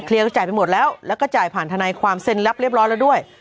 จ่ายไปหมดแล้วแล้วก็จ่ายผ่านทนายความเซ็นรับเรียบร้อยแล้วด้วย